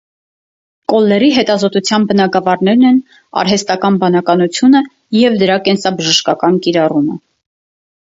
Կոլլերի հետազոտության բնագավառներն են արհեստական բանականությունն և դրա կենսաբժշկական կիրառումը։